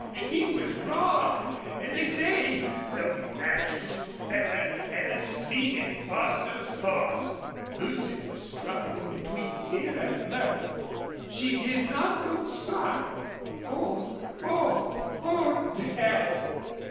He was raw, an' they say, the maddest feller ever seen in Bostil's Ford!" Lucy was struggling between fear and mirth. She did not look sorry. "Oh! Oh! Oh, Dad!"